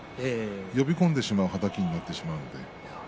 呼び込んでしまいはたきになってしまいました。